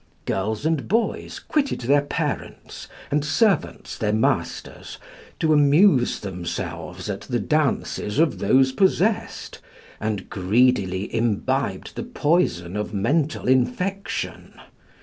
Girls and boys quitted their parents, and servants their masters, to amuse themselves at the dances of those possessed, and greedily imbibed the poison of mental infection.